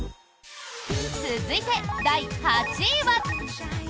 続いて、第８位は。